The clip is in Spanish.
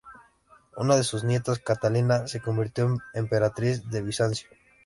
Una de sus nietas, Catalina, se convirtió en emperatriz de Bizancio.